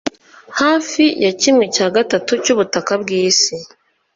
Hafi ya kimwe cya gatatu cyubutaka bwisi.